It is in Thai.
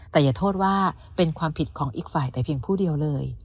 แต่อย่าโทษว่าเป็นความผิดของอีกฝ่ายแต่เพียงผู้เดียวเลย